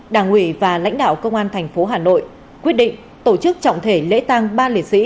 đảng ủy và lãnh đạo công an thành phố hà nội quyết định tổ chức trọng thể lễ tăng ba liệt sĩ